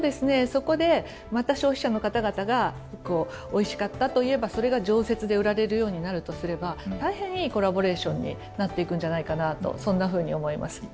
そこでまた消費者の方々がおいしかったと言えばそれが常設で売られるようになるとすれば大変いいコラボレーションになっていくんじゃないかなとそんなふうに思います。